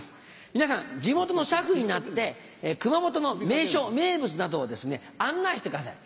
皆さん地元の車夫になって熊本の名所名物などを案内してください。